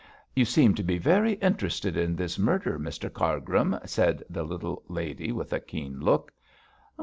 'You seem to be very interested in this murder, Mr Cargrim,' said the little lady, with a keen look.